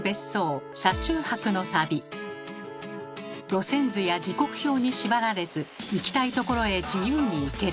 路線図や時刻表に縛られず行きたい所へ自由に行ける。